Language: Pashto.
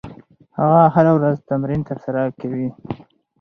هغه هره ورځ تمرین ترسره کوي.